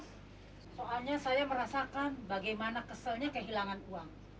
soalnya saya merasakan bagaimana keselnya kehilangan uang